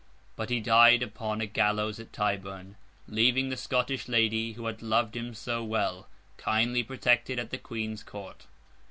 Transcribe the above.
But he died upon a gallows at Tyburn, leaving the Scottish lady, who had loved him so well, kindly protected at the Queen's Court.